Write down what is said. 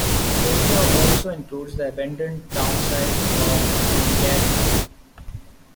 The area also includes the abandoned townsite of Goongarrie.